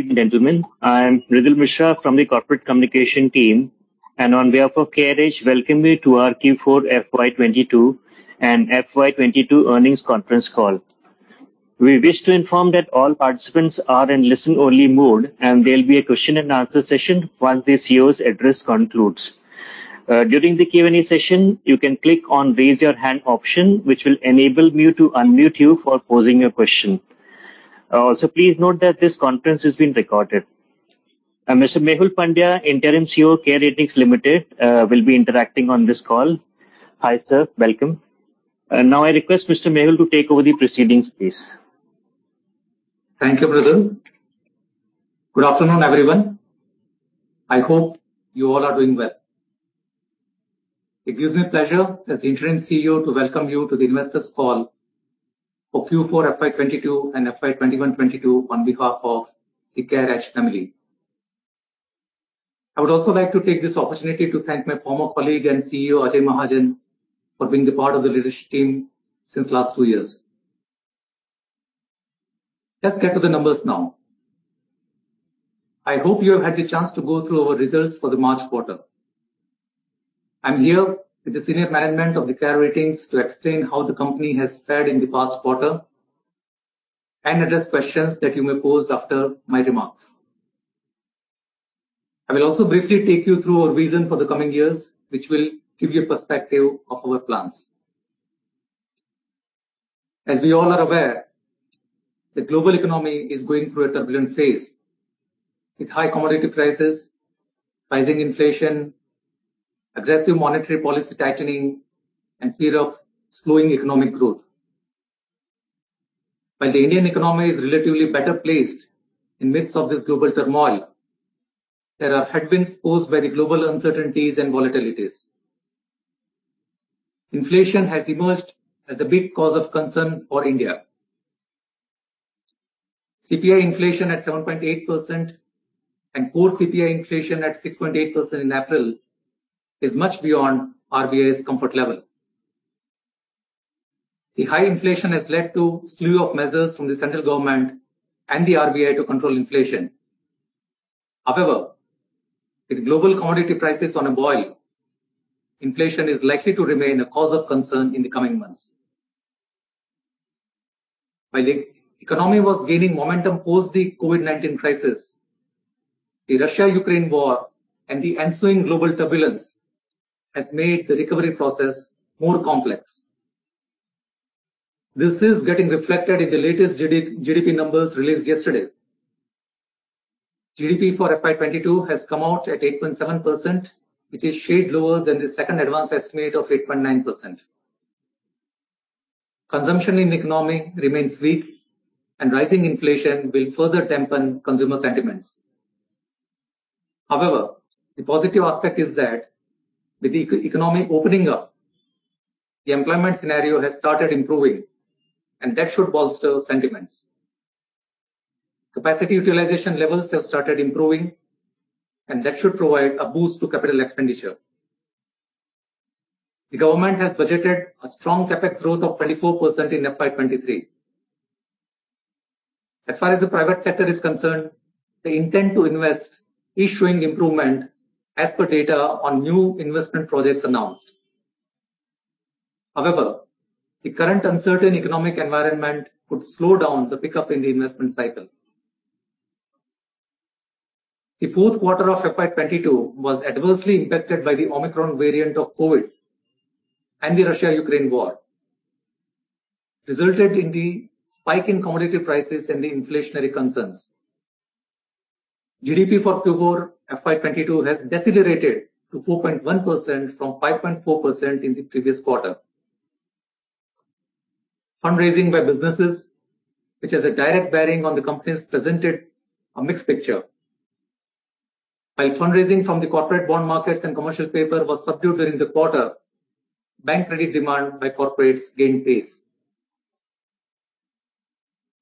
Ladies and gentlemen, I am Mradul Mishra from the Corporate Communication Team, and on behalf of CareEdge welcome you to our Q4 FY22 and FY22 earnings conference call. We wish to inform that all participants are in listen-only mode, and there'll be a question and answer session once the CEO's address concludes. During the Q&A session, you can click on Raise Your Hand option, which will enable me to unmute you for posing your question. Also, please note that this conference is being recorded. Mr. Mehul Pandya, Interim CEO, CARE Ratings Limited, will be interacting on this call. Hi, sir. Welcome. Now I request Mr. Mehul to take over the proceedings, please. Thank you, Mradul. Good afternoon, everyone. I hope you all are doing well. It gives me pleasure as Interim CEO to welcome you to the investors call for Q4 FY 2022 and FY 2021-22 on behalf of the CareEdge family. I would also like to take this opportunity to thank my former colleague and CEO, Ajay Mahajan, for being a part of the leadership team since the last two years. Let's get to the numbers now. I hope you have had the chance to go through our results for the March quarter. I'm here with the senior management of CARE Ratings to explain how the company has fared in the past quarter and address questions that you may pose after my remarks. I will also briefly take you through our vision for the coming years, which will give you a perspective of our plans. As we all are aware, the global economy is going through a turbulent phase with high commodity prices, rising inflation, aggressive monetary policy tightening, and fear of slowing economic growth. While the Indian economy is relatively better placed in the midst of this global turmoil, there are headwinds posed by the global uncertainties and volatilities. Inflation has emerged as a big cause of concern for India. CPI inflation at 7.8% and core CPI inflation at 6.8% in April is much beyond RBI's comfort level. The high inflation has led to a slew of measures from the central government and the RBI to control inflation. However, with global commodity prices on a boil, inflation is likely to remain a cause of concern in the coming months. While the economy was gaining momentum post the COVID-19 crisis, the Russia-Ukraine war and the ensuing global turbulence has made the recovery process more complex. This is getting reflected in the latest GDP numbers released yesterday. GDP for FY 2022 has come out at 8.7%, which is a shade lower than the second advance estimate of 8.9%. Consumption in the economy remains weak, and rising inflation will further dampen consumer sentiments. However, the positive aspect is that with economic opening up, the employment scenario has started improving, and that should bolster sentiments. Capacity utilization levels have started improving, and that should provide a boost to capital expenditure. The government has budgeted a strong CapEx growth of 24% in FY 2023. As far as the private sector is concerned, they intend to invest, showing improvement as per data on new investment projects announced. However, the current uncertain economic environment could slow down the pickup in the investment cycle. The fourth quarter of FY 2022 was adversely impacted by the Omicron variant of COVID and the Russia-Ukraine war, resulted in the spike in commodity prices and the inflationary concerns. GDP for Q4 FY 2022 has decelerated to 4.1% from 5.4% in the previous quarter. Fundraising by businesses, which has a direct bearing on the companies, presented a mixed picture. While fundraising from the corporate bond markets and commercial paper was subdued during the quarter, bank credit demand by corporates gained pace.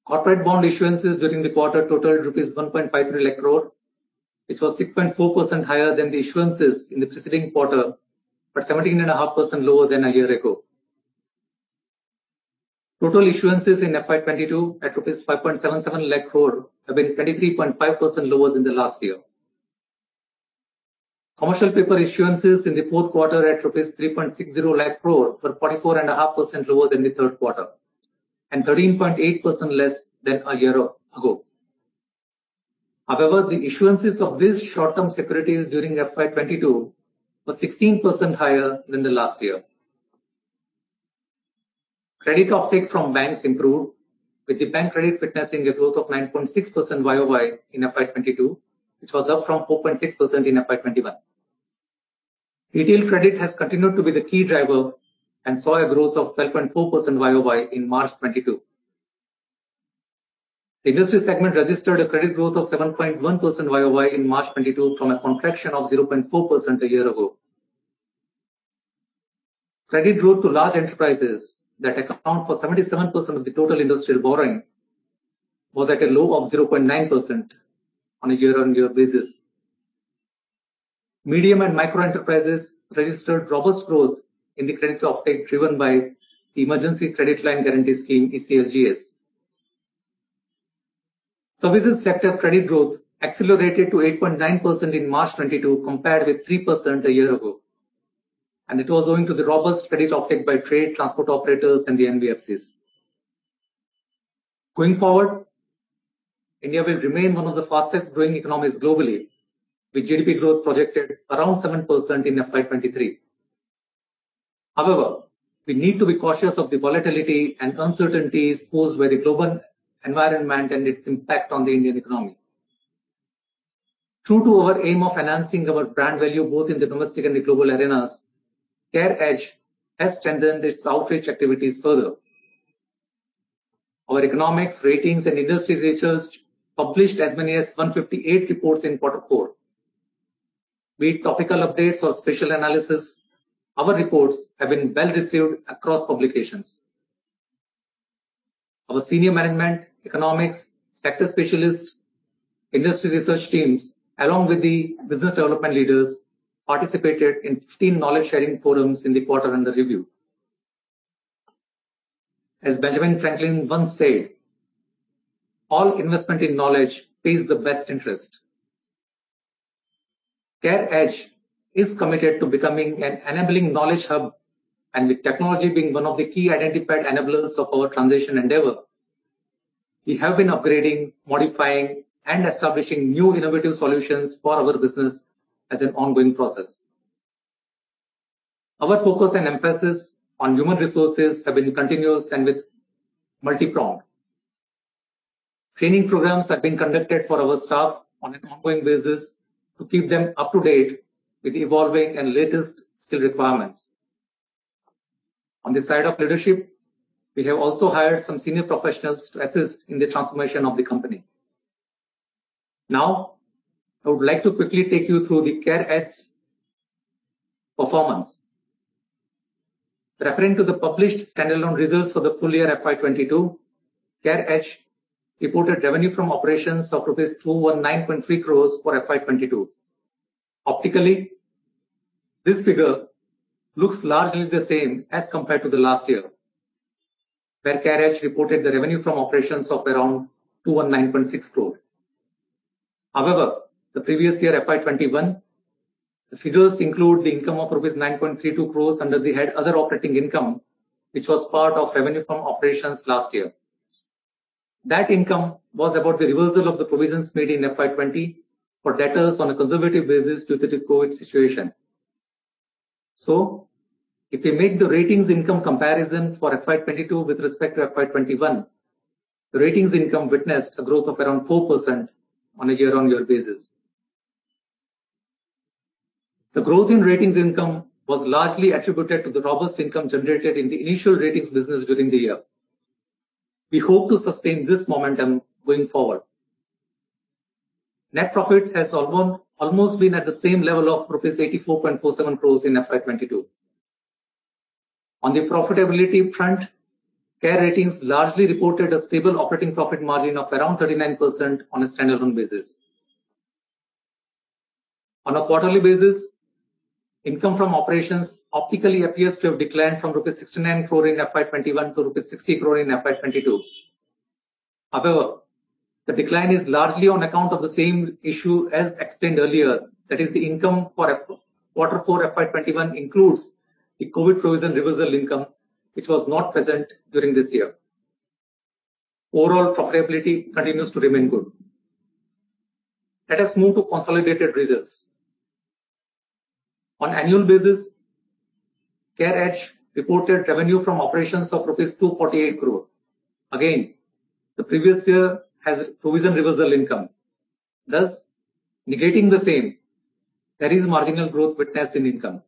Corporate bond issuances during the quarter totaled rupees 1.53 lakh crore, which was 6.4% higher than the issuances in the preceding quarter, but 17.5% lower than a year ago. Total issuances in FY 2022 at INR 5.77 lakh crore have been 23.5% lower than the last year. Commercial paper issuances in the fourth quarter at rupees 3.60 lakh crore were 44.5% lower than the third quarter and 13.8% less than a year ago. However, the issuances of these short-term securities during FY 2022 were 16% higher than the last year. Credit offtake from banks improved, with the bank credit witnessing a growth of 9.6% YOY in FY 2022, which was up from 4.6% in FY 2021. Retail credit has continued to be the key driver and saw a growth of 12.4% YOY in March 2022. The industry segment registered a credit growth of 7.1% YOY in March 2022 from a contraction of 0.4% a year ago. Credit growth to large enterprises that account for 77% of the total industrial borrowing was at a low of 0.9% on a year-on-year basis. Medium and micro enterprises registered robust growth in the credit offtake driven by the Emergency Credit Line Guarantee Scheme, ECLGS. Services sector credit growth accelerated to 8.9% in March 2022 compared with 3% a year ago. It was owing to the robust credit offtake by trade, transport operators, and the NBFCs. Going forward, India will remain one of the fastest-growing economies globally, with GDP growth projected around 7% in FY 2023. However, we need to be cautious of the volatility and uncertainties posed by the global environment and its impact on the Indian economy. True to our aim of enhancing our brand value both in the domestic and the global arenas, CareEdge has strengthened its outreach activities further. Our economics, ratings, and industry research published as many as 158 reports in quarter four. Be it topical updates or special analysis, our reports have been well-received across publications. Our senior management, economics, sector specialist, industry research teams, along with the business development leaders, participated in 15 knowledge-sharing forums in the quarter under review. As Benjamin Franklin once said, "All investment in knowledge pays the best interest." CareEdge is committed to becoming an enabling knowledge hub, and with technology being one of the key identified enablers of our transition endeavor, we have been upgrading, modifying, and establishing new innovative solutions for our business as an ongoing process. Our focus and emphasis on human resources have been continuous and with multi-pronged. Training programs have been conducted for our staff on an ongoing basis to keep them up to date with evolving and latest skill requirements. On the side of leadership, we have also hired some senior professionals to assist in the transformation of the company. Now, I would like to quickly take you through the CareEdge performance. Referring to the published standalone results for the full year FY 2022, CareEdge reported revenue from operations of rupees 219.3 crores for FY 2022. Optically, this figure looks largely the same as compared to the last year, where CareEdge reported the revenue from operations of around 219.6 crore. However, the previous year, FY 2021, the figures include the income of rupees 9.32 crores under the head other operating income, which was part of revenue from operations last year. That income was about the reversal of the provisions made in FY 2020 for debtors on a conservative basis due to the COVID situation. If we make the ratings income comparison for FY 2022 with respect to FY 2021, the ratings income witnessed a growth of around 4% on a year-on-year basis. The growth in ratings income was largely attributed to the robust income generated in the initial ratings business during the year. We hope to sustain this momentum going forward. Net profit has almost been at the same level of 84.47 crore in FY 2022. On the profitability front, CARE Ratings largely reported a stable operating profit margin of around 39% on a standalone basis. On a quarterly basis, income from operations optically appears to have declined from rupees 69 crore in FY 2021 to rupees 60 crore in FY 2022. However, the decline is largely on account of the same issue as explained earlier, that is, the income for quarter four FY 2021 includes the COVID provision reversal income, which was not present during this year. Overall profitability continues to remain good. Let us move to consolidated results. On annual basis, CareEdge reported revenue from operations of rupees 248 crore. Again, the previous year has provision reversal income, thus negating the same. There is marginal growth witnessed in income.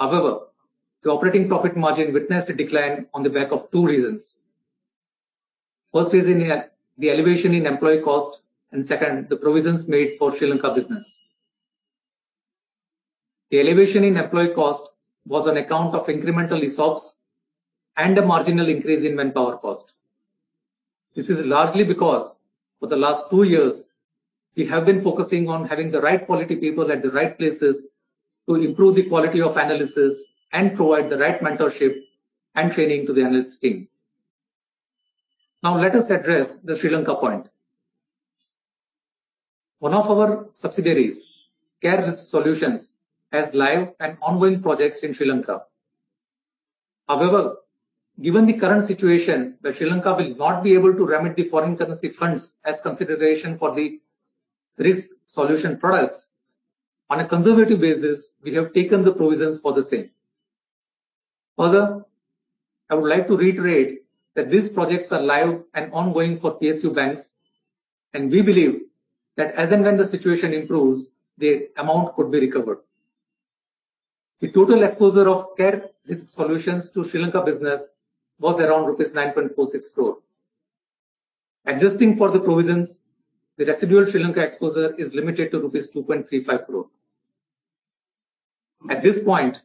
However, the operating profit margin witnessed a decline on the back of two reasons. First is the elevation in employee cost and second, the provisions made for Sri Lanka business. The elevation in employee cost was on account of incremental ESOPs and a marginal increase in manpower cost. This is largely because for the last two years we have been focusing on having the right quality people at the right places to improve the quality of analysis and provide the right mentorship and training to the analyst team. Now let us address the Sri Lanka point. One of our subsidiaries, CARE Risk Solutions, has live and ongoing projects in Sri Lanka. However, given the current situation that Sri Lanka will not be able to remit the foreign currency funds as consideration for the risk solution products, on a conservative basis, we have taken the provisions for the same. Further, I would like to reiterate that these projects are live and ongoing for PSU banks, and we believe that as and when the situation improves, the amount could be recovered. The total exposure of CARE Risk Solutions to Sri Lanka business was around 9.46 crore rupees. Adjusting for the provisions, the residual Sri Lanka exposure is limited to rupees 2.35 crore. At this point,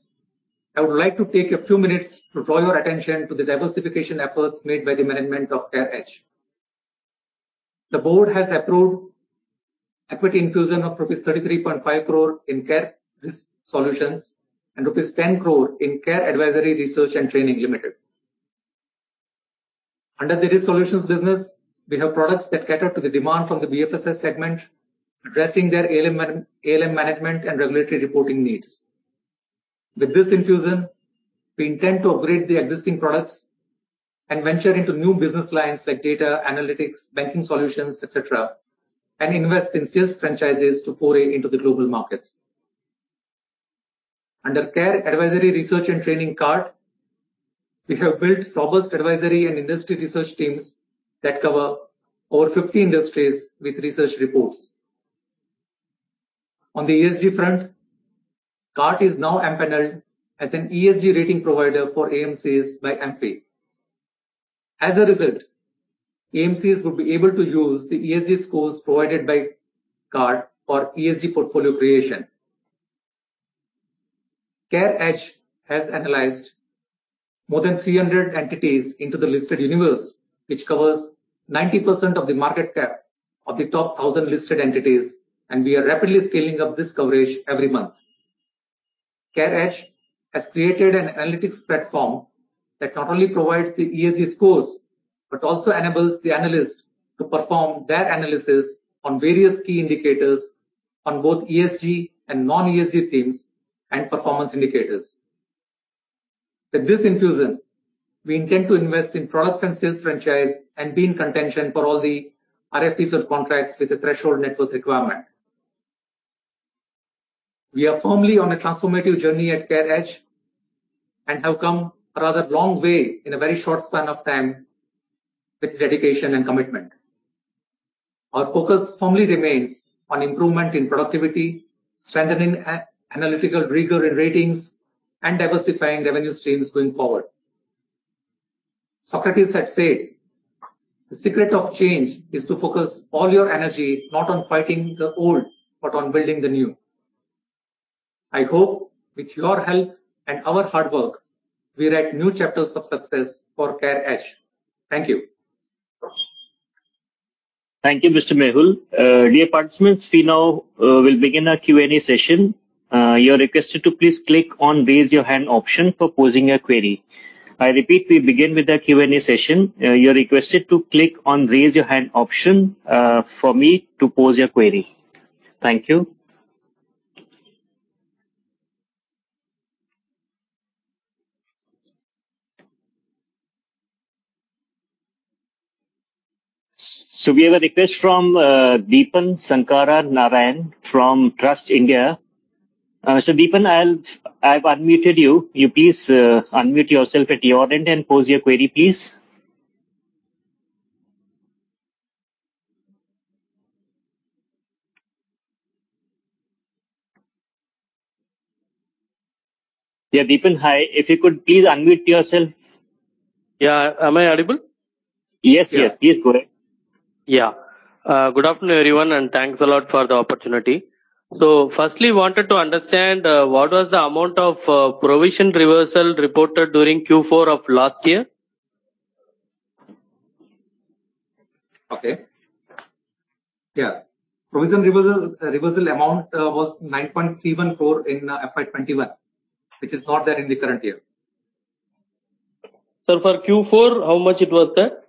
I would like to take a few minutes to draw your attention to the diversification efforts made by the management of CareEdge. The board has approved equity infusion of rupees 33.5 crore in CARE Risk Solutions and rupees 10 crore in CARE Advisory Research and Training Limited. Under the risk solutions business, we have products that cater to the demand from the BFSI segment, addressing their ALM management and regulatory reporting needs. With this infusion, we intend to upgrade the existing products and venture into new business lines like data analytics, banking solutions, et cetera, and invest in sales franchises to foray into the global markets. Under CARE Advisory Research and Training, CART, we have built robust advisory and industry research teams that cover over 50 industries with research reports. On the ESG front, CART is now empaneled as an ESG rating provider for AMCs by AMFI. As a result, AMCs will be able to use the ESG scores provided by CART for ESG portfolio creation. CareEdge has analyzed more than 300 entities in the listed universe, which covers 90% of the market cap of the top 1,000 listed entities, and we are rapidly scaling up this coverage every month. CareEdge has created an analytics platform that not only provides the ESG scores but also enables the analyst to perform their analysis on various key indicators on both ESG and non-ESG themes and performance indicators. With this infusion, we intend to invest in products and sales franchise and be in contention for all the RFPs or contracts with the threshold net worth requirement. We are firmly on a transformative journey at CareEdge and have come a rather long way in a very short span of time with dedication and commitment. Our focus firmly remains on improvement in productivity, strengthening analytical rigor in ratings, and diversifying revenue streams going forward. Socrates had said, "The secret of change is to focus all your energy not on fighting the old, but on building the new." I hope with your help and our hard work, we write new chapters of success for CareEdge. Thank you. Thank you, Mr. Mehul. Dear participants, we now will begin our Q&A session. You are requested to please click on Raise Your Hand option for posing a query. I repeat, we begin with the Q&A session. You're requested to click on Raise Your Hand option for me to pose your query. Thank you. We have a request from Deepan Sankara Narayanan from TrustLine India. Deepan, I've unmuted you. You please unmute yourself at your end and pose your query, please. Yeah, Deepan. Hi. If you could please unmute yourself. Yeah. Am I audible? Yes. Yes. Please go ahead. Yeah. Good afternoon, everyone, and thanks a lot for the opportunity. Firstly, wanted to understand, what was the amount of, provision reversal reported during Q4 of last year. Okay. Yeah. Provision reversal amount, was 9.31 crore in FY 2021, which is not there in the current year. Sir, for Q4, how much it was there?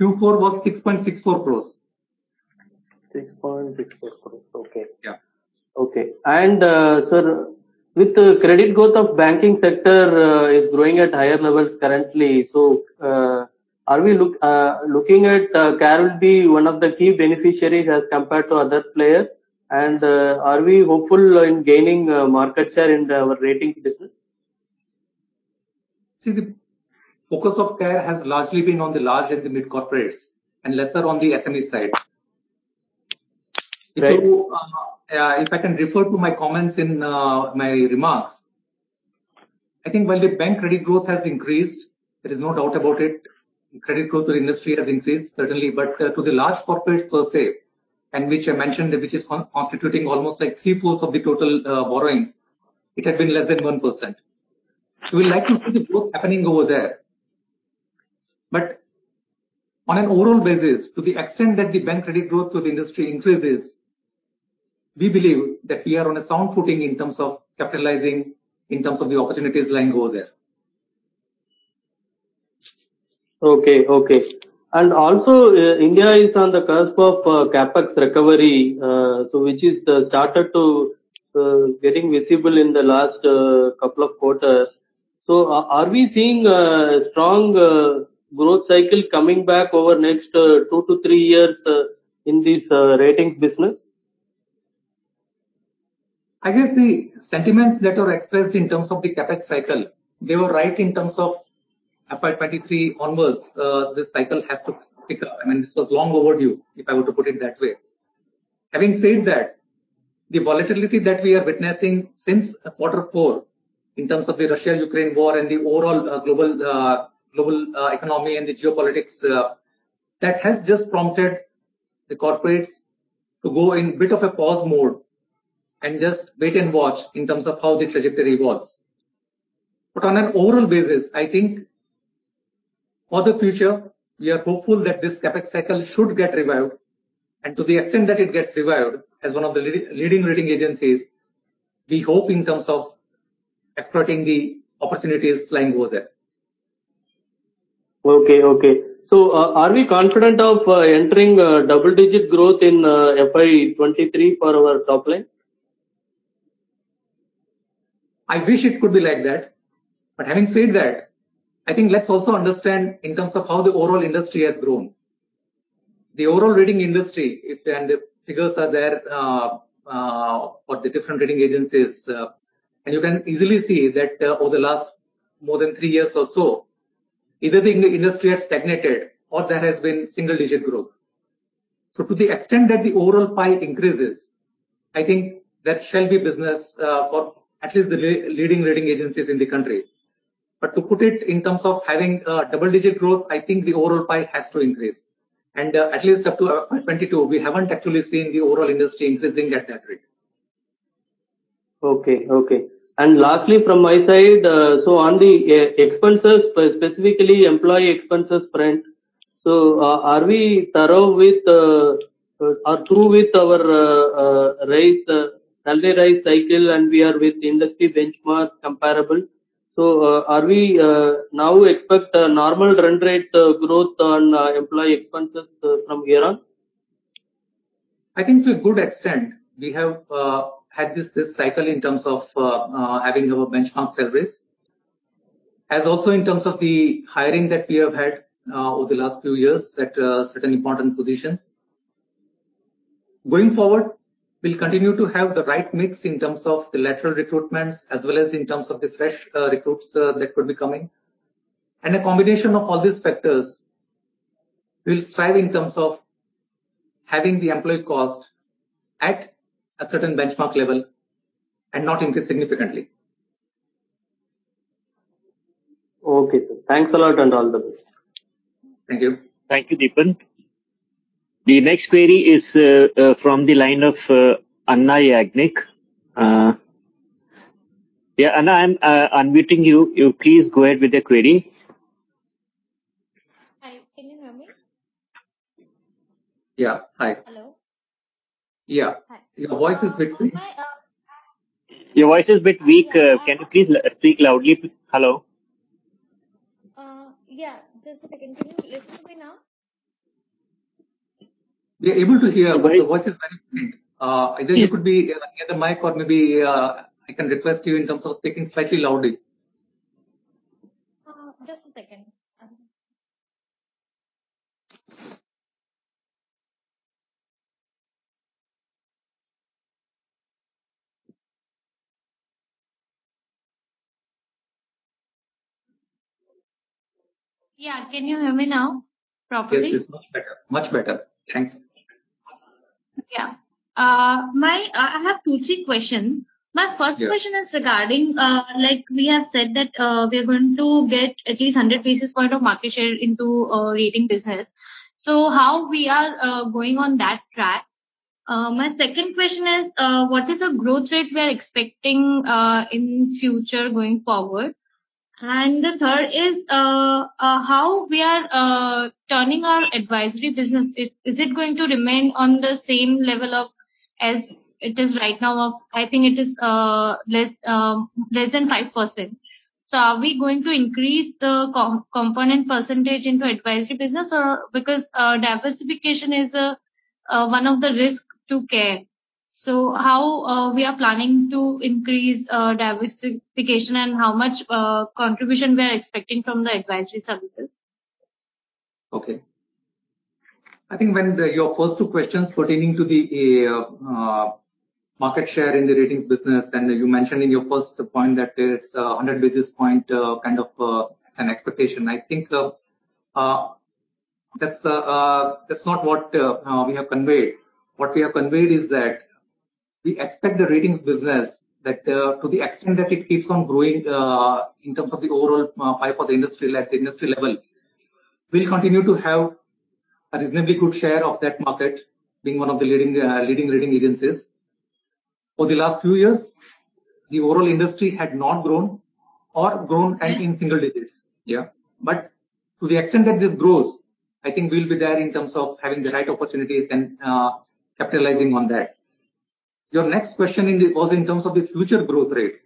Q4 was 6.64 crore. 6.64 crores. Okay. Yeah. Okay. Sir, with the credit growth of banking sector is growing at higher levels currently. Are we looking at CARE would be one of the key beneficiaries as compared to other players? Are we hopeful in gaining market share in the rating business? See, the focus of CARE has largely been on the large and the mid corporates and lesser on the SME side. Right. If I can refer to my comments in my remarks. I think while the bank credit growth has increased, there is no doubt about it. Credit growth to the industry has increased, certainly. To the large corporates per se, and which I mentioned, which is constituting almost like three-fourths of the total borrowings, it had been less than 1%. We like to see the growth happening over there. On an overall basis, to the extent that the bank credit growth to the industry increases, we believe that we are on a sound footing in terms of capitalizing, in terms of the opportunities lying over there. Okay. India is on the cusp of CapEx recovery, so which is started to getting visible in the last couple of quarters. Are we seeing a strong growth cycle coming back over next two to three years in this rating business? I guess the sentiments that were expressed in terms of the CapEx cycle, they were right in terms of FY 2023 onwards. This cycle has to pick up. I mean, this was long overdue, if I were to put it that way. Having said that, the volatility that we are witnessing since quarter four in terms of the Russia-Ukraine war and the overall global economy and the geopolitics that has just prompted the corporates to go in a bit of a pause mode and just wait and watch in terms of how the trajectory was. But on an overall basis, I think for the future, we are hopeful that this CapEx cycle should get revived. To the extent that it gets revived, as one of the leading rating agencies, we hope in terms of exploiting the opportunities lying over there. Okay, are we confident of entering double-digit growth in FY 2023 for our top line? I wish it could be like that. Having said that, I think let's also understand in terms of how the overall industry has grown. The overall rating industry, the figures are there for the different rating agencies, and you can easily see that over the last more than three years or so, either the industry has stagnated or there has been single-digit growth. To the extent that the overall pie increases, I think that shall be business for at least the leading rating agencies in the country. To put it in terms of having double-digit growth, I think the overall pie has to increase. At least up to 2022, we haven't actually seen the overall industry increasing at that rate. Okay, okay. Lastly, from my side, so on the expenses, specifically employee expenses front, so, are we through with our salary raise cycle, and we are with industry benchmark comparables? Are we now expecting a normal run rate growth on employee expenses from here on? I think to a good extent, we have had this cycle in terms of having our benchmark service. As also in terms of the hiring that we have had over the last few years at certain important positions. Going forward, we'll continue to have the right mix in terms of the lateral recruitments as well as in terms of the fresh recruits that would be coming. A combination of all these factors will strive in terms of having the employee cost at a certain benchmark level and not increase significantly. Okay. Thanks a lot, and all the best. Thank you. Thank you, Deepan. The next query is from the line of Anna Yagnik. Yeah, Anna, I'm unmuting you. You please go ahead with the query. Hi, can you hear me? Yeah. Hi. Hello. Yeah. Hi. Your voice is a bit weak. Hi. Your voice is a bit weak. Hi. Can you please speak loudly, please? Hello. Yeah. Just a second. Can you listen to me now? We're able to hear. But- Your voice is very faint. Yeah. Either you could be near the mic or maybe, I can request you in terms of speaking slightly loudly. Just a second. Yeah. Can you hear me now properly? Yes. Much better. Thanks. Yeah. I have two, three questions. Yeah. My first question is regarding like we have said that we're going to get at least 100 basis points of market share into rating business. How are we going on that track? My second question is what is the growth rate we are expecting in future going forward? The third is how we are turning our advisory business. Is it going to remain on the same level as it is right now? I think it is less than 5%. Are we going to increase the component percentage into advisory business or because diversification is one of the risk to CARE? How are we planning to increase diversification and how much contribution we are expecting from the advisory services? Okay. I think when your first two questions pertaining to the market share in the ratings business, and you mentioned in your first point that it's 100 basis points kind of an expectation. I think that's not what we have conveyed. What we have conveyed is that we expect the ratings business that to the extent that it keeps on growing in terms of the overall pie for the industry industry level, we'll continue to have a reasonably good share of that market, being one of the leading rating agencies. For the last few years, the overall industry had not grown or grown only in single digits. Yeah. To the extent that this grows, I think we'll be there in terms of having the right opportunities and capitalizing on that. Your next question was in terms of the future growth rate.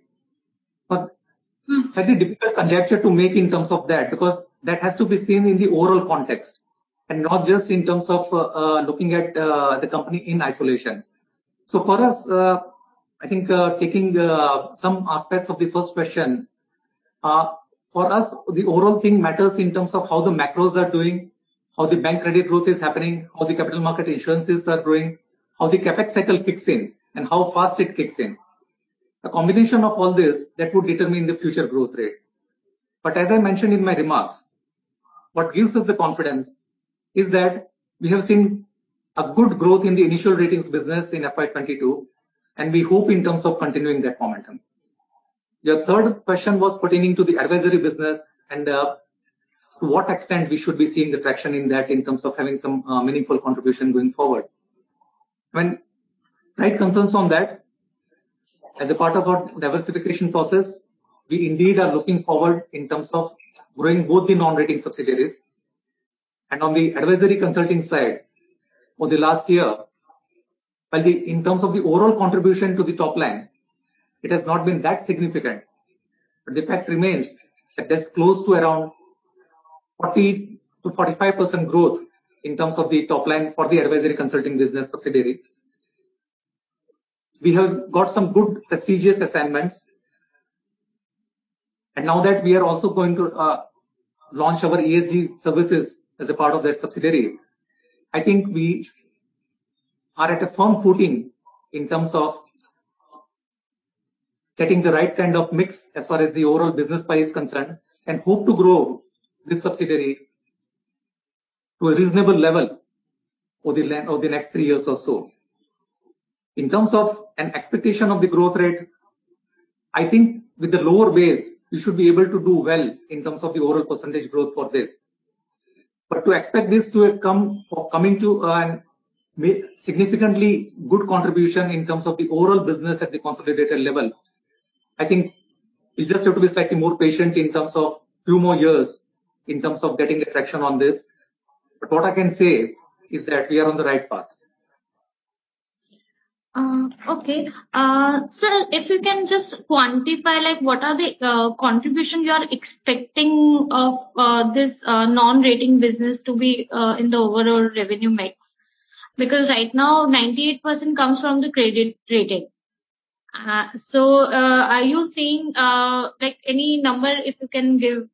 Slightly difficult conjecture to make in terms of that, because that has to be seen in the overall context and not just in terms of looking at the company in isolation. For us, I think taking some aspects of the first question, for us, the overall thing matters in terms of how the macros are doing, how the bank credit growth is happening, how the capital market insurances are growing, how the CapEx cycle kicks in, and how fast it kicks in. A combination of all this, that would determine the future growth rate. As I mentioned in my remarks, what gives us the confidence is that we have seen a good growth in the initial ratings business in FY 2022, and we hope in terms of continuing that momentum. Your third question was pertaining to the advisory business and to what extent we should be seeing the traction in that in terms of having some meaningful contribution going forward. When my concerns on that, as a part of our diversification process, we indeed are looking forward in terms of growing both the non-rating subsidiaries. On the advisory consulting side, over the last year, while in terms of the overall contribution to the top line, it has not been that significant. The fact remains that there's close to around 40%-45% growth in terms of the top line for the advisory consulting business subsidiary. We have got some good prestigious assignments. Now that we are also going to launch our ESG services as a part of that subsidiary, I think we are at a firm footing in terms of getting the right kind of mix as far as the overall business pie is concerned, and hope to grow this subsidiary to a reasonable level over the next three years or so. In terms of an expectation of the growth rate, I think with the lower base, we should be able to do well in terms of the overall percentage growth for this. To expect this to have come, or coming to, significantly good contribution in terms of the overall business at the consolidated level, I think we just have to be slightly more patient in terms of two more years in terms of getting a traction on this. What I can say is that we are on the right path. Okay. Sir, if you can just quantify, like, what are the contribution you are expecting of this non-rating business to be in the overall revenue mix. Because right now, 98% comes from the credit rating. Are you seeing, like any number if you can give,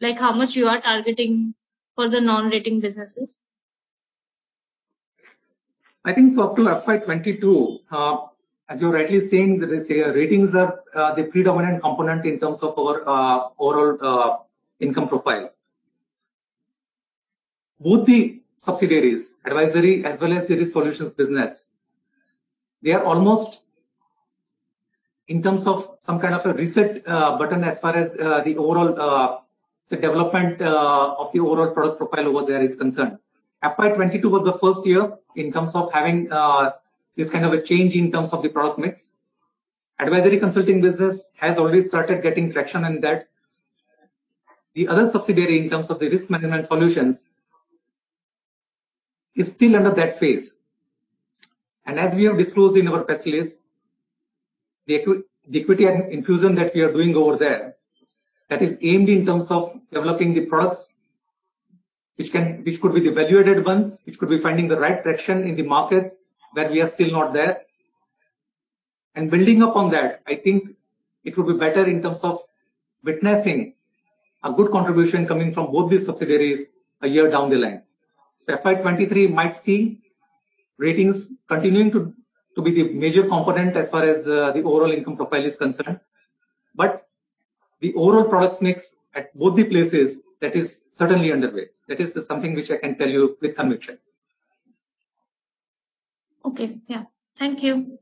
like how much you are targeting for the non-rating businesses? I think up to FY 2022, as you're rightly saying that is, ratings are the predominant component in terms of our overall income profile. Both the subsidiaries, advisory as well as the risk solutions business, they are almost in terms of some kind of a reset button as far as the overall say development of the overall product profile over there is concerned. FY 2022 was the first year in terms of having this kind of a change in terms of the product mix. Advisory consulting business has already started getting traction in that. The other subsidiary in terms of the risk management solutions is still under that phase. As we have disclosed in our press release, the equity infusion that we are doing over there, that is aimed in terms of developing the products which can... which could be the evaluated ones, which could be finding the right traction in the markets where we are still not there. Building upon that, I think it will be better in terms of witnessing a good contribution coming from both the subsidiaries a year down the line. FY 2023 might see ratings continuing to be the major component as far as the overall income profile is concerned. The overall product mix at both the places, that is certainly underway. That is something which I can tell you with conviction. Okay. Yeah. Thank you.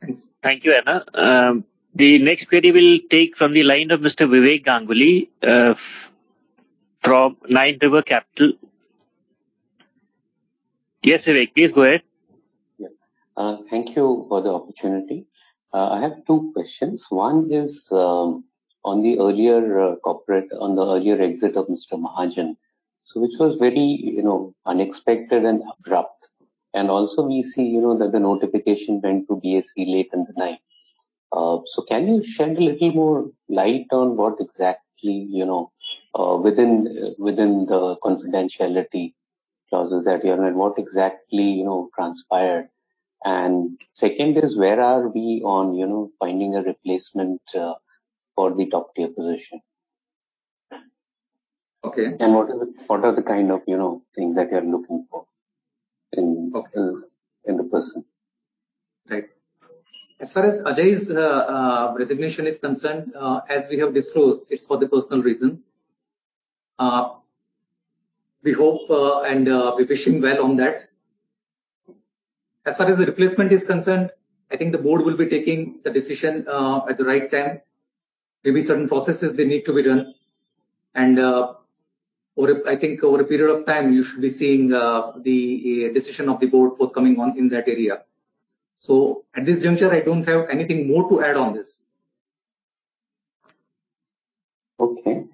Thanks. Thank you, Anna. The next query we'll take from the line of Mr. Vivek Ganguly from Nine Rivers Capital. Yes, Vivek, please go ahead. Yeah. Thank you for the opportunity. I have two questions. One is on the earlier exit of Mr. Mahajan. This was very, you know, unexpected and abrupt. Also we see, you know, that the notification went to BSE late in the night. Can you shed a little more light on what exactly, you know, within the confidentiality clauses that you're in, what exactly, you know, transpired? Second is, where are we on, you know, finding a replacement for the top-tier position? Okay. What are the kind of, you know, things that you're looking for in- Okay. in the person? Right. As far as Ajay's resignation is concerned, as we have disclosed, it's for the personal reasons. We hope and we wish him well on that. As far as the replacement is concerned, I think the board will be taking the decision at the right time. There'll be certain processes they need to be done and over a period of time, you should be seeing the decision of the board forthcoming on in that area. At this juncture, I don't have anything more to add on this. Okay.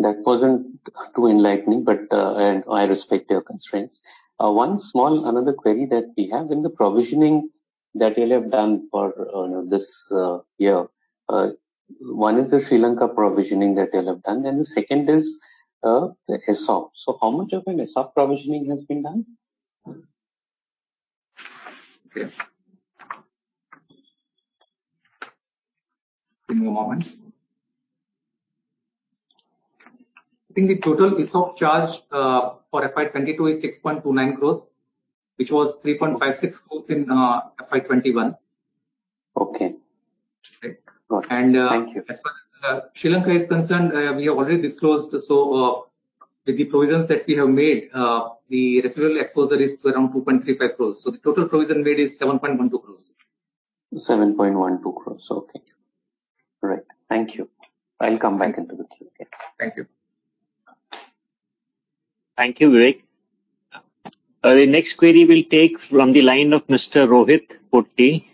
That wasn't too enlightening, but and I respect your constraints. One small, another query that we have. In the provisioning that you'll have done for this year, one is the Sri Lanka provisioning that you'll have done, and the second is the ESOP. How much of an ESOP provisioning has been done? Yeah. Just give me a moment. I think the total ESOP charge for FY 2022 is 6.29 crores, which was 3.56 crores in FY 2021. Okay. Right. Got it. And, uh- Thank you. As far as Sri Lanka is concerned, we have already disclosed. With the provisions that we have made, the residual exposure is around 2.35 crores. The total provision made is 7.12 crores. 7.12 crore. Okay. All right. Thank you. I'll come back into the queue. Thank you. Thank you, Vivek. The next query we'll take from the line of Mr. Rohit Puri.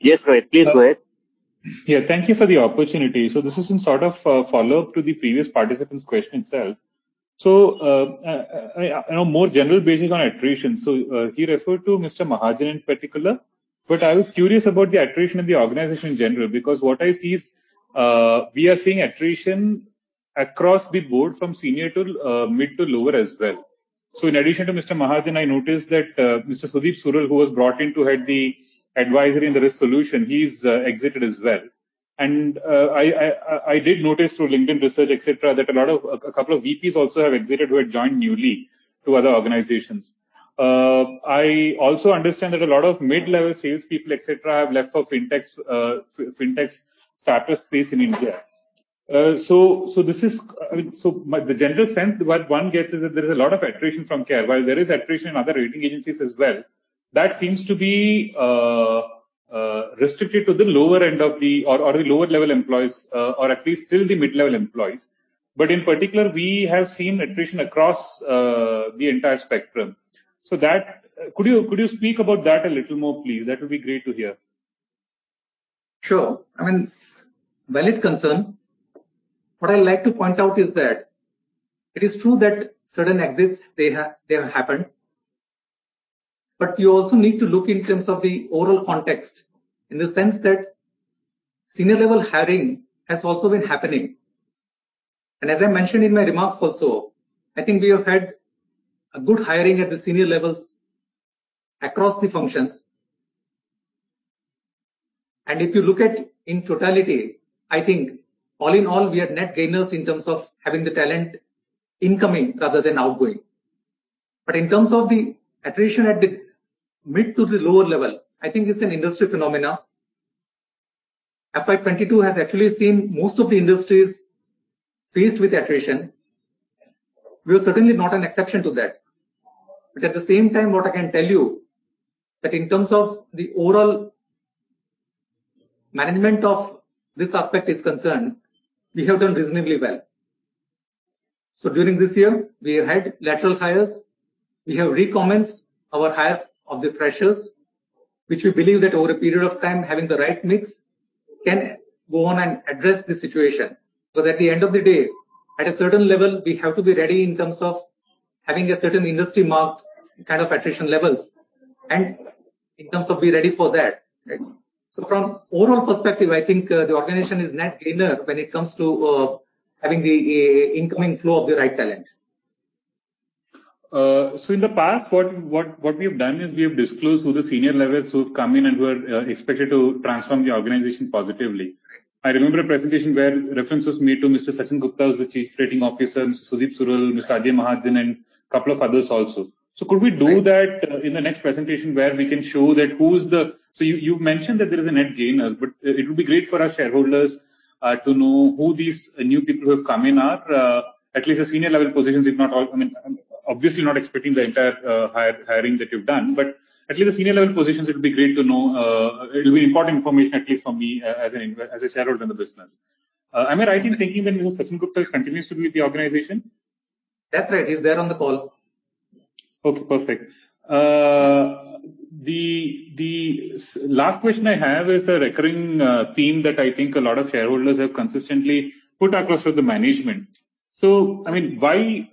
Yes, Rohit, please go ahead. Yeah, thank you for the opportunity. This is in sort of a follow-up to the previous participant's question itself. On a more general basis on attrition. He referred to Mr. Mahajan in particular, but I was curious about the attrition of the organization in general, because what I see is we are seeing attrition across the board from senior to mid to lower as well. In addition to Mr. Mahajan, I noticed that Mr. Sudip Sural, who was brought in to head the advisory and the risk solution, he's exited as well. I did notice through LinkedIn research, et cetera, that a lot of a couple of VPs also have exited who had joined newly to other organizations. I also understand that a lot of mid-level salespeople, et cetera, have left for fintech startup space in India. I mean, so the general sense what one gets is that there is a lot of attrition from CARE. While there is attrition in other rating agencies as well, that seems to be restricted to the lower end of the lower level employees, or at least till the mid-level employees. But in particular, we have seen attrition across the entire spectrum. Could you speak about that a little more, please? That would be great to hear. Sure. I mean, valid concern. What I like to point out is that it is true that certain exits, they have happened. You also need to look in terms of the overall context, in the sense that senior level hiring has also been happening. As I mentioned in my remarks also, I think we have had a good hiring at the senior levels across the functions. If you look at in totality, I think all in all, we are net gainers in terms of having the talent incoming rather than outgoing. In terms of the attrition at the mid to the lower level, I think it's an industry phenomena. FY 2022 has actually seen most of the industries faced with attrition. We are certainly not an exception to that. At the same time, what I can tell you that in terms of the overall management of this aspect is concerned, we have done reasonably well. During this year we have had lateral hires. We have recommenced our hire of the freshers, which we believe that over a period of time, having the right mix can go on and address the situation. Because at the end of the day, at a certain level, we have to be ready in terms of having a certain industry marked kind of attrition levels and in terms of be ready for that. Right? From overall perspective, I think the organization is net gainer when it comes to having the incoming flow of the right talent. In the past, what we have done is we have disclosed who the senior levels who have come in and who are expected to transform the organization positively. I remember a presentation where reference was made to Mr. Sachin Gupta as the Chief Rating Officer, Mr. Sudip Sural, Mr. Ajay Mahajan, and a couple of others also. Could we do that in the next presentation where we can show that who's the? You've mentioned that there is a net gainers, but it would be great for our shareholders to know who these new people who have come in are at least the senior level positions, if not all. I mean, obviously not expecting the entire hiring that you've done, but at least the senior level positions, it would be great to know. It will be important information, at least for me as a shareholder in the business. Am I right in thinking that, you know, Sachin Gupta continues to be with the organization? That's right. He's there on the call. Okay, perfect. The last question I have is a recurring theme that I think a lot of shareholders have consistently put across with the management. I mean, why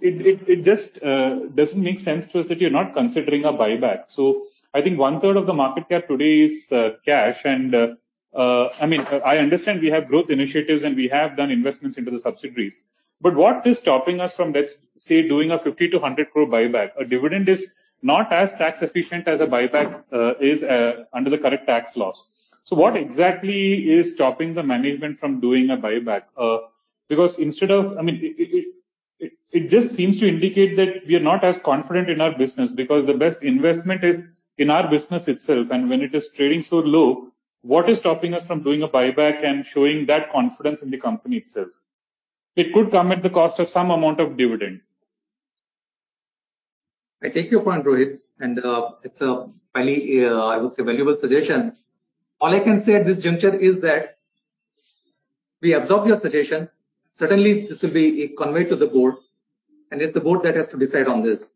it just doesn't make sense to us that you're not considering a buyback. I think 1/3 of the market cap today is cash and I mean, I understand we have growth initiatives, and we have done investments into the subsidiaries. What is stopping us from, let's say, doing an 50 crore-100 crore buyback? A dividend is not as tax efficient as a buyback is under the current tax laws. What exactly is stopping the management from doing a buyback? Because instead of, I mean, it just seems to indicate that we are not as confident in our business because the best investment is in our business itself. When it is trading so low, what is stopping us from doing a buyback and showing that confidence in the company itself? It could come at the cost of some amount of dividend. I take your point, Rohit, and, it's a very, I would say valuable suggestion. All I can say at this juncture is that we absorb your suggestion. Certainly this will be conveyed to the board, and it's the board that has to decide on this.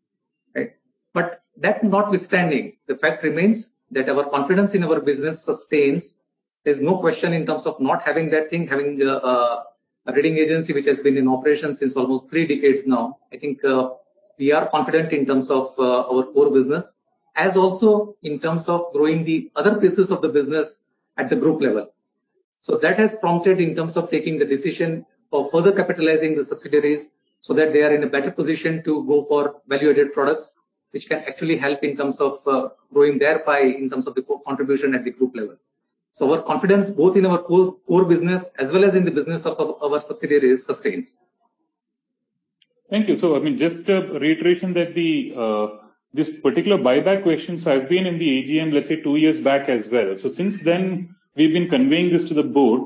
Right? But that notwithstanding, the fact remains that our confidence in our business sustains. There's no question in terms of not having that thing, having a rating agency which has been in operation since almost three decades now. I think, we are confident in terms of, our core business as also in terms of growing the other pieces of the business at the group level. That has prompted in terms of taking the decision of further capitalizing the subsidiaries so that they are in a better position to go for value-added products, which can actually help in terms of growing thereby in terms of the core contribution at the group level. Our confidence both in our core business as well as in the business of our subsidiaries sustains. Thank you. I mean, just a reiteration that this particular buyback question, I've been in the AGM, let's say two years back as well. Since then we've been conveying this to the board.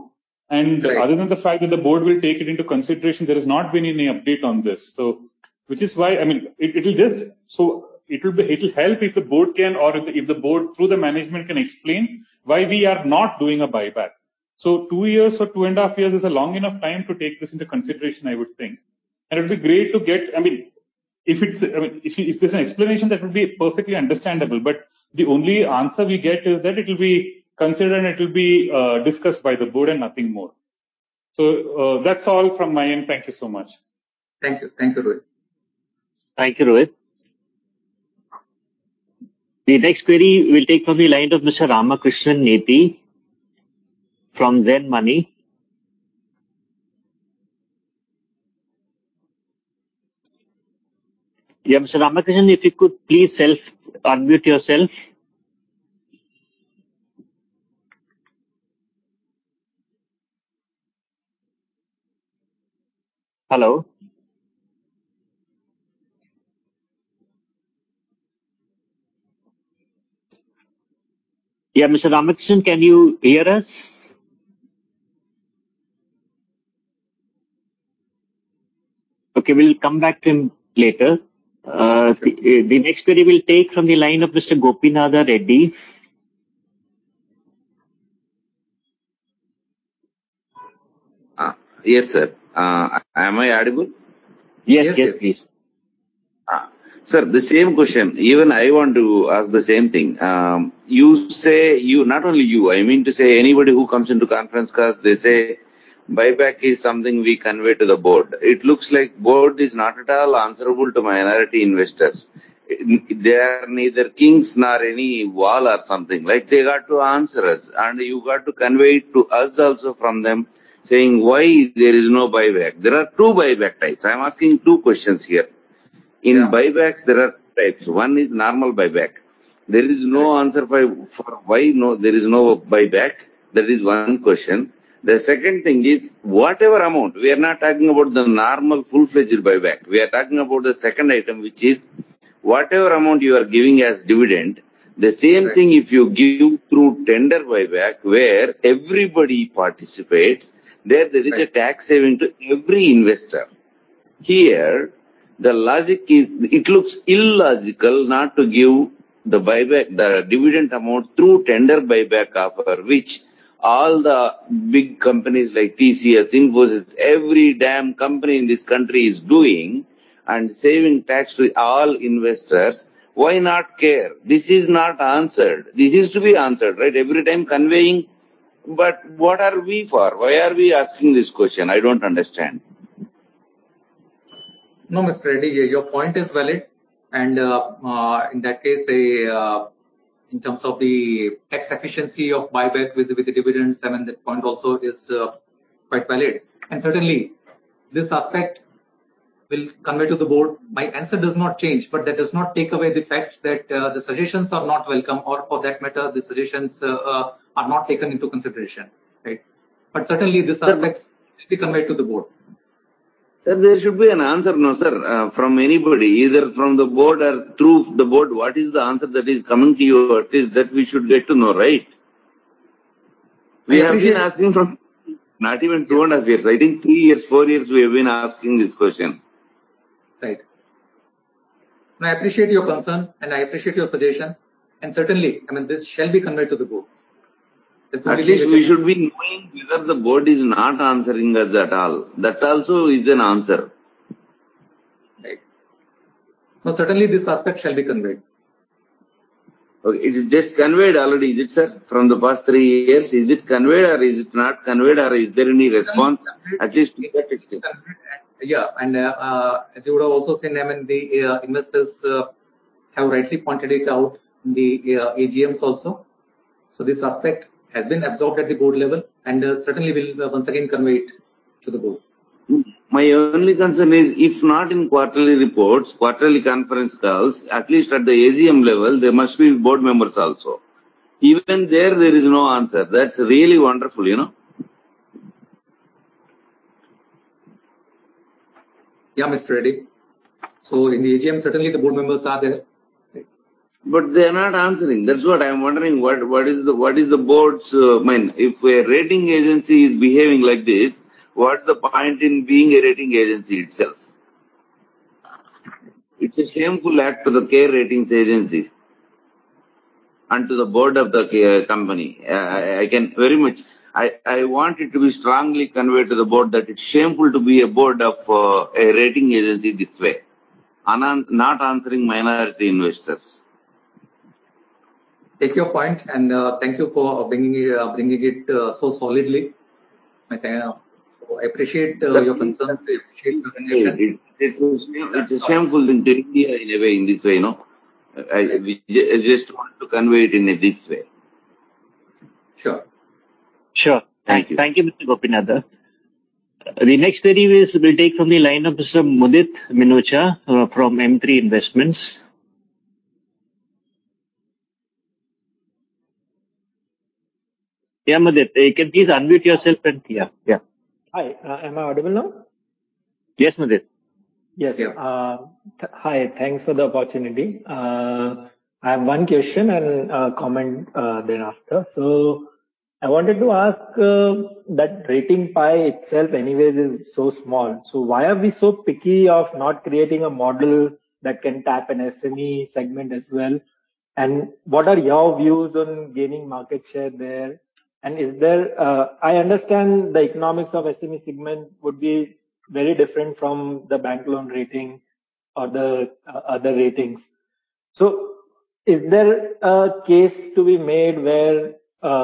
Right. Other than the fact that the board will take it into consideration, there has not been any update on this. Which is why it'll help if the board, through the management, can explain why we are not doing a buyback. Two years or two and a half years is a long enough time to take this into consideration, I would think. It'll be great to get I mean, if there's an explanation that would be perfectly understandable, but the only answer we get is that it'll be considered and it'll be discussed by the board and nothing more. That's all from my end. Thank you so much. Thank you. Thank you, Rohit. Thank you, Rohit. The next query we'll take from the line of Mr. Rama Krishna Neti from ZEN Money. Yeah. Mr. Rama Krishna, if you could please self-unmute yourself. Hello? Yeah, Mr. Rama Krishna, can you hear us? Okay, we'll come back to him later. The next query we'll take from the line of Mr. Gopinath Reddy. Yes, sir. Am I audible? Yes. Yes, please. Sir, the same question. Even I want to ask the same thing. You say you, not only you, I mean to say anybody who comes into conference calls, they say buyback is something we convey to the board. It looks like board is not at all answerable to minority investors. They are neither kings nor any law or something. Like, they got to answer us. You got to convey it to us also from them, saying why there is no buyback. There are two buyback types. I'm asking two questions here. Yeah. In buybacks, there are types. One is normal buyback. There is no answer for why there is no buyback. That is one question. The second thing is, whatever amount, we are not talking about the normal full-fledged buyback. We are talking about the second item, which is whatever amount you are giving as dividend. Right. The same thing if you give through tender buyback, where everybody participates. Right. There is a tax saving to every investor. Here, the logic is, it looks illogical not to give the buyback, the dividend amount through tender buyback offer, which all the big companies like TCS, Infosys, every damn company in this country is doing and saving tax with all investors. Why not CARE? This is not answered. This is to be answered, right? Every time conveying, but what are we for? Why are we asking this question? I don't understand. No, Mr. Reddy, your point is valid. In that case, in terms of the tax efficiency of buyback vis-a-vis the dividends, I mean, that point also is quite valid. Certainly this aspect we'll convey to the board. My answer does not change, but that does not take away the fact that the suggestions are not welcome, or for that matter, the suggestions are not taken into consideration. Right? Certainly these aspects. But- will be conveyed to the board. There should be an answer, no, sir, from anybody, either from the board or through the board. What is the answer that is coming to you at least that we should get to know, right? I appreciate- We have been asking for not even two and a half years. I think three years, four years we have been asking this question. Right. I appreciate your concern, and I appreciate your suggestion. Certainly, I mean, this shall be conveyed to the board. There's no deviation. At least we should be knowing whether the board is not answering us at all. That also is an answer. Right. No, certainly this aspect shall be conveyed. Okay. It is just conveyed already. Is it, sir? From the past three years, is it conveyed or is there any response at least we get it? Yeah. As you would have also seen, I mean, the investors have rightly pointed it out in the AGMs also. This aspect has been absorbed at the board level, and certainly we'll once again convey it to the board. My only concern is if not in quarterly reports, quarterly conference calls, at least at the AGM level, there must be board members also. Even there is no answer. That's really wonderful, you know. Yeah, Mr. Reddy. In the AGM, certainly the board members are there. Right? They're not answering. That's what I'm wondering, what is the board's mind? If a rating agency is behaving like this, what's the point in being a rating agency itself? It's a shameful act to the CARE Ratings agency and to the board of the company. I want it to be strongly conveyed to the board that it's shameful to be a board of a rating agency this way. Not answering minority investors. Take your point, and thank you for bringing it so solidly. I so appreciate your concern. Sir, it's. Appreciate your concern. It's shameful in India in a way, in this way, you know. I just want to convey it in this way. Sure. Sure. Thank you. Thank you, Mr. Gopinath Reddy. The next query is, we'll take from the line of Mr. Mudit Minocha, from M3 Investments. Yeah, Mudit. You can please unmute yourself and yeah. Hi. Am I audible now? Yes, Mudit. Yes. Yeah. Hi. Thanks for the opportunity. I have one question and comment thereafter. I wanted to ask that rating pie itself anyway is so small, so why are we so picky of not creating a model that can tap an SME segment as well? What are your views on gaining market share there? I understand the economics of SME segment would be very different from the bank loan rating or the other ratings. Is there a case to be made where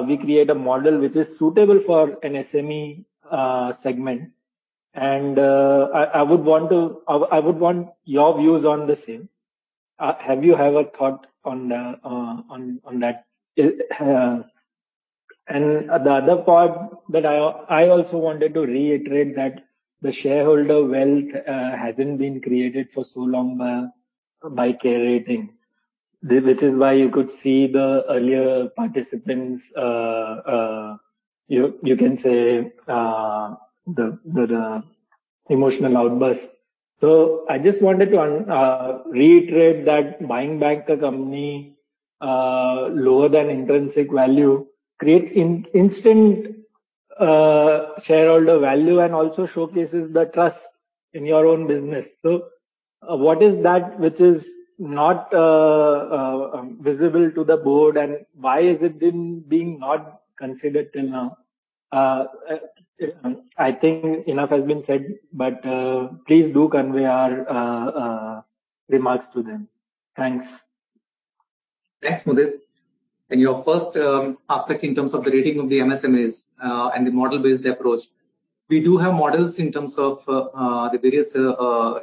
we create a model which is suitable for an SME segment? I would want your views on the same. Have you a thought on that? The other part that I also wanted to reiterate is that the shareholder wealth hasn't been created for so long by CARE Ratings. Which is why you could see the earlier participants you can say the emotional outburst. I just wanted to reiterate that buying back a company lower than intrinsic value creates instant shareholder value and also showcases the trust in your own business. What is that which is not visible to the board, and why is it not being considered till now? I think enough has been said, but please do convey our remarks to them. Thanks. Thanks, Mudit. In your first aspect in terms of the rating of the MSMEs and the model-based approach, we do have models in terms of the various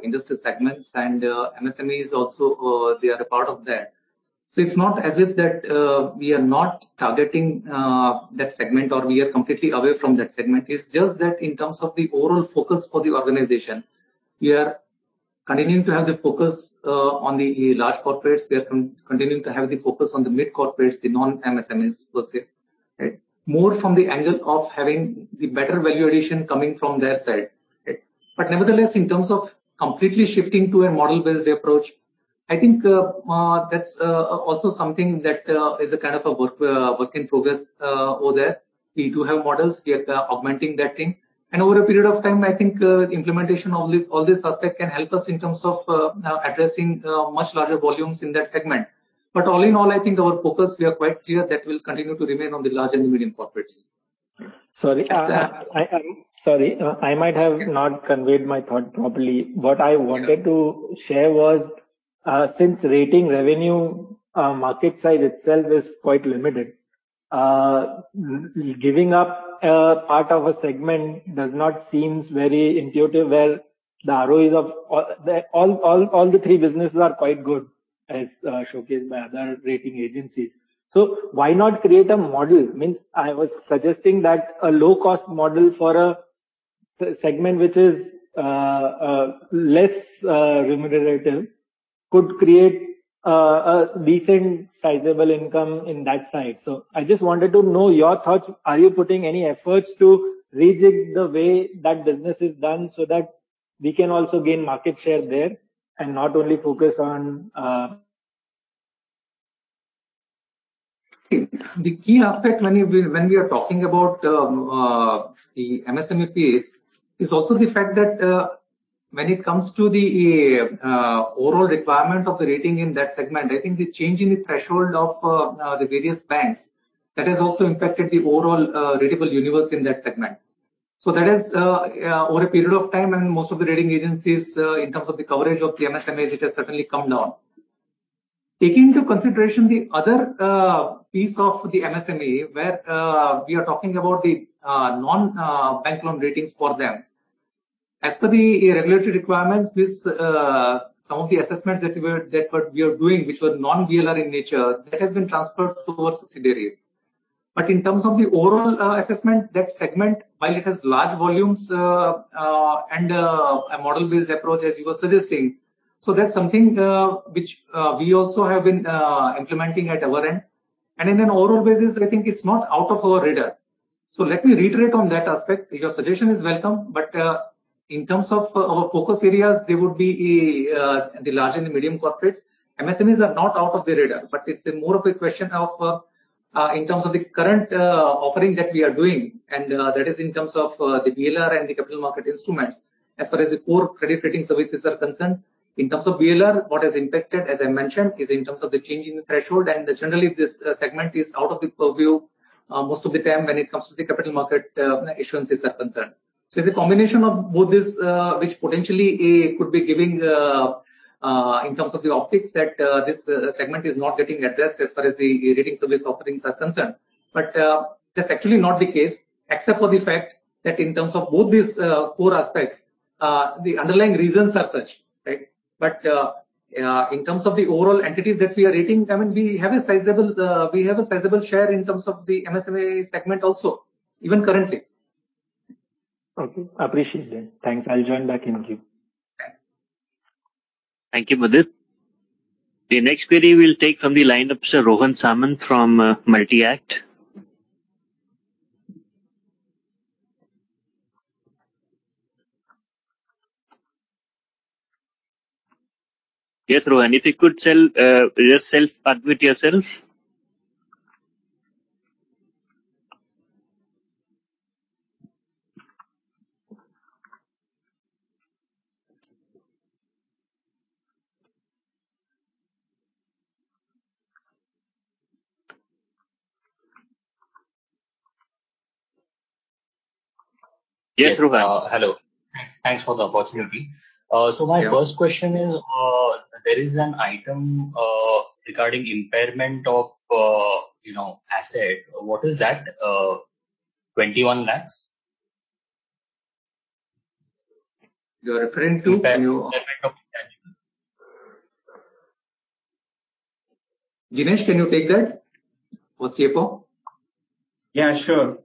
industry segments and MSMEs also, they are a part of that. So it's not as if that we are not targeting that segment or we are completely away from that segment. It's just that in terms of the overall focus for the organization, we are continuing to have the focus on the large corporates. We are continuing to have the focus on the mid corporates, the non-MSMEs per se. Right. More from the angle of having the better value addition coming from their side. Right. Nevertheless, in terms of completely shifting to a model-based approach, I think that's also something that is a kind of a work in progress over there. We do have models. We are augmenting that thing. Over a period of time, I think implementation of this all this aspect can help us in terms of addressing much larger volumes in that segment. All in all, I think our focus, we are quite clear that we'll continue to remain on the large and medium corporates. Sorry. Please go ahead. I'm sorry. I might have not conveyed my thought properly. What I wanted to share was, since rating revenue market size itself is quite limited, giving up a part of a segment does not seem very intuitive where the ROEs of all three businesses are quite good, as showcased by other rating agencies. Why not create a model? I mean, I was suggesting that a low-cost model for a segment which is less remunerative could create a decent sizable income in that side. I just wanted to know your thoughts. Are you putting any efforts to rejig the way that business is done so that we can also gain market share there and not only focus on. The key aspect when we are talking about the MSMEs is also the fact that when it comes to the overall requirement of the rating in that segment, I think the change in the threshold of the various banks that has also impacted the overall ratable universe in that segment. That is over a period of time and most of the rating agencies in terms of the coverage of the MSMEs, it has certainly come down. Taking into consideration the other piece of the MSME, where we are talking about the non-bank loan ratings for them. As per the regulatory requirements, some of the assessments that we are doing, which were non-BLR in nature, that has been transferred to our subsidiary. In terms of the overall assessment, that segment while it has large volumes, and a model-based approach as you were suggesting, that's something which we also have been implementing at our end. In an overall basis, I think it's not out of our radar. Let me reiterate on that aspect. Your suggestion is welcome, but in terms of our focus areas, they would be the large and the medium corporates. MSMEs are not out of the radar, but it's more of a question of in terms of the current offering that we are doing, and that is in terms of the BLR and the capital market instruments. As far as the core credit rating services are concerned, in terms of BLR, what has impacted, as I mentioned, is in terms of the change in the threshold. Generally, this segment is out of the purview, most of the time when it comes to the capital market, issuances are concerned. It's a combination of both these, which potentially could be giving, in terms of the optics that, this segment is not getting addressed as far as the rating service offerings are concerned. That's actually not the case, except for the fact that in terms of both these, core aspects, the underlying reasons are such. Right. In terms of the overall entities that we are rating, I mean, we have a sizable share in terms of the MSME segment also, even currently. Okay. Appreciate that. Thanks. I'll join back in queue. Thank you, Mudit. The next query we'll take from the line of Sir Rohan Samant from Multi-Act. Yes, Rohan, if you could unmute yourself. Yes, Rohan. Yes. Hello. Thanks for the opportunity. My first question is, there is an item regarding impairment of, you know, asset. What is that 21 lakh? You're referring to. Impairment of Jinesh, can you take that? Our CFO. Yeah, sure.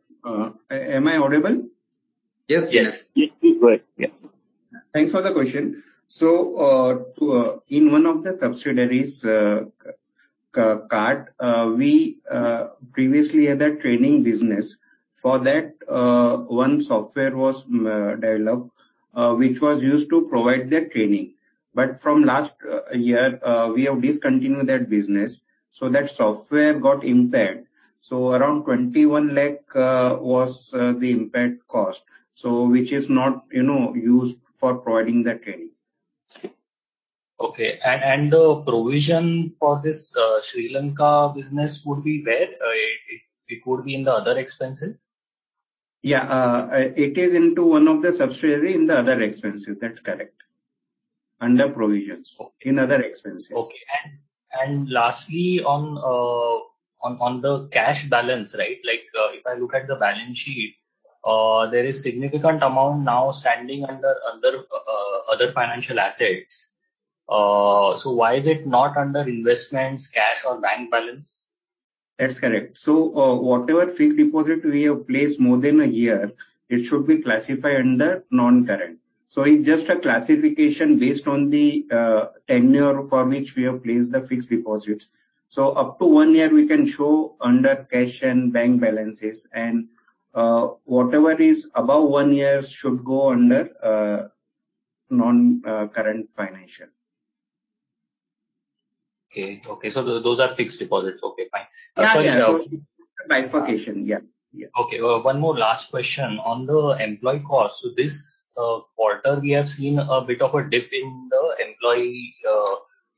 Am I audible? Yes. Yes. Yes, go ahead. Yeah. Thanks for the question. In one of the subsidiaries, CART, we previously had a training business. For that, one software was developed, which was used to provide their training. From last year, we have discontinued that business, so that software got impaired. Around 21 lakh was the impairment cost, which is not, you know, used for providing the training. Okay. The provision for this Sri Lanka business would be where? It would be in the other expenses? Yeah. It is into one of the subsidiary in the other expenses. That's correct. Under provisions. Okay. In other expenses. Okay. Lastly, on the cash balance, right? Like, if I look at the balance sheet, there is significant amount now standing under other financial assets. So why is it not under investments, cash or bank balance? That's correct. Whatever fixed deposit we have placed more than a year, it should be classified under non-current. It's just a classification based on the tenure for which we have placed the fixed deposits. Up to one year we can show under cash and bank balances and whatever is above one year should go under non-current financial. Okay. Those are fixed deposits. Okay, fine. Yeah, yeah. Sorry. Clarification. Yeah. Yeah. Okay. One more last question. On the employee cost, so this quarter we have seen a bit of a dip in the employee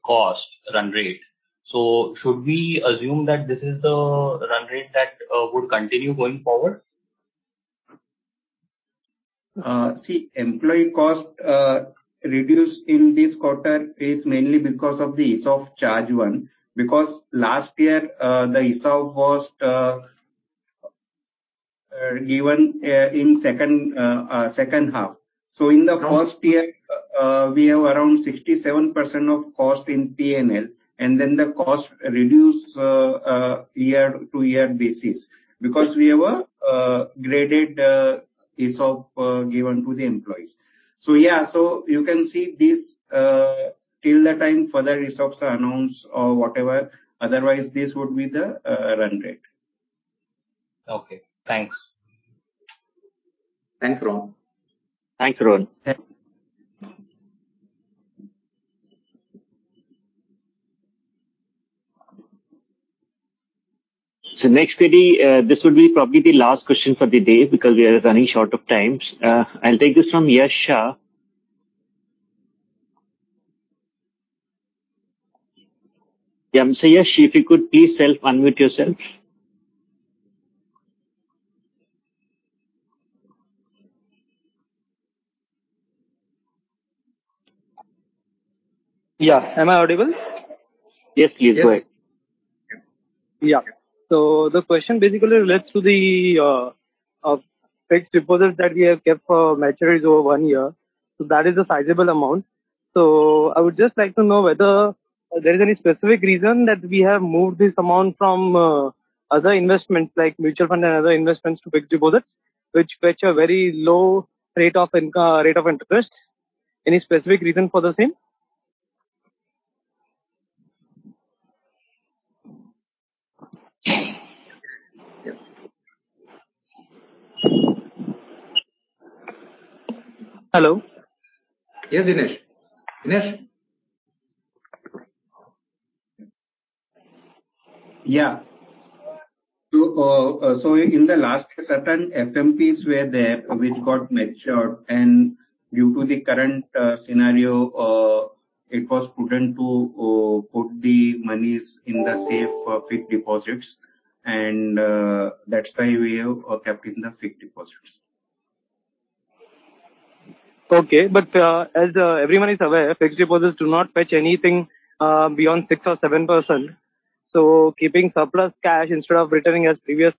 cost run rate. Should we assume that this is the run rate that would continue going forward? See, employee cost reduced in this quarter is mainly because of the ESOP charge one, because last year, the ESOP was given in second half. In the first year, we have around 67% of cost in P&L, and then the cost reduced year-to-year basis because we have a graded ESOP given to the employees. Yeah, you can see this till the time further ESOPs are announced or whatever. Otherwise this would be the run rate. Okay, thanks. Thanks, Rohan. Thanks, Rohan. Next query, this will be probably the last question for the day because we are running short of time. I'll take this from Yash Shah. Yeah, Mr. Yash, if you could please self-unmute yourself. Yeah. Am I audible? Yes, please. Go ahead. Yeah. The question basically relates to the fixed deposits that we have kept for maturities over one year. That is a sizable amount. I would just like to know whether there is any specific reason that we have moved this amount from other investments like mutual fund and other investments to fixed deposits, which fetch a very low rate of interest. Any specific reason for the same? Hello? Yes, Jinesh. Jinesh? In the last certain FMPs were there which got matured and due to the current scenario, it was prudent to put the monies in the safe fixed deposits and that's why we have kept it in the fixed deposits. Okay. As everyone is aware, fixed deposits do not fetch anything beyond 6% or 7%. Keeping surplus cash instead of returning, as previous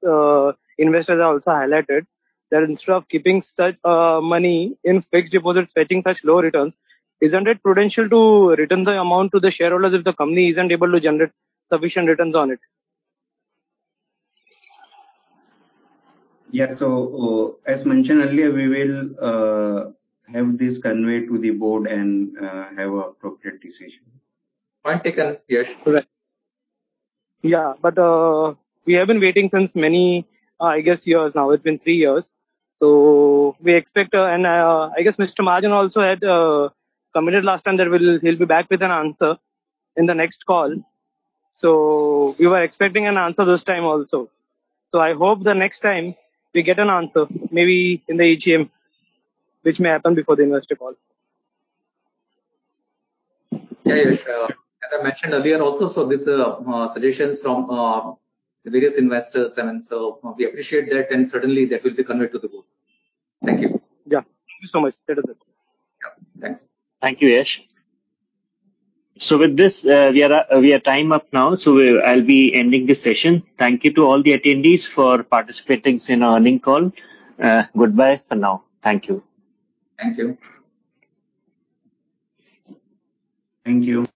investors have also highlighted, that instead of keeping such money in fixed deposits fetching such low returns, isn't it prudent to return the amount to the shareholders if the company isn't able to generate sufficient returns on it? Yeah. As mentioned earlier, we will have this conveyed to the board and have appropriate decision. Point taken, Yash. Correct. Yeah. We have been waiting since many, I guess years now. It's been three years. We expect, and, I guess Mr. Mahajan also had committed last time that he'll be back with an answer in the next call. We were expecting an answer this time also. I hope the next time we get an answer, maybe in the AGM, which may happen before the investor call. Yeah, Yash. As I mentioned earlier also, so these are suggestions from the various investors and so we appreciate that and certainly that will be conveyed to the board. Thank you. Yeah. Thank you so much. Take care. Yeah. Thanks. Thank you, Yash. With this, we are time up now. I'll be ending the session. Thank you to all the attendees for participating in our earnings call. Goodbye for now. Thank you. Thank you. Thank you.